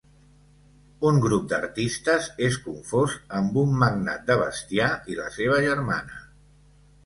Un grup d’artistes és confós amb un magnat de bestiar i la seva germana.